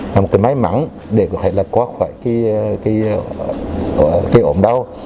một cái may mắn để có thể là có khỏi cái ổn đau